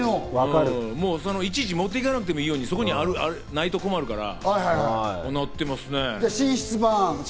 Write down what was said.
いちいち持って行かなくてもいいように、そこにないと困るから。